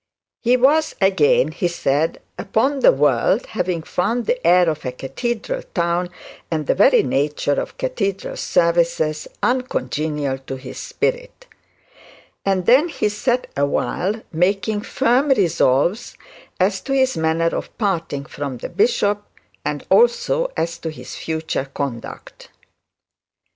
He was again, he said, 'upon the world, having found the air of a cathedral town, and the very nature of cathedral services, uncongenial to his spirit'; and then he sat awhile, making firm resolves as to his manner of parting from the bishop, and also as to his future conduct.